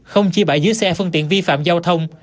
không chỉ bãi dưới xe phương tiện vi phạm giao thông